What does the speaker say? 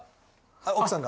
奥さんが。